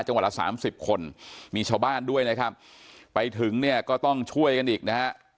ละสามสิบคนมีชาวบ้านด้วยนะครับไปถึงเนี่ยก็ต้องช่วยกันอีกนะฮะ